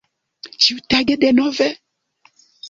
Ĉiutage denove?